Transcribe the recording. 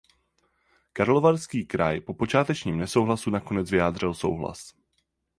Karlovarský kraj po počátečním nesouhlasu nakonec vyjádřil souhlas.